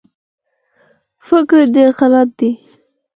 فکر دی غلط دی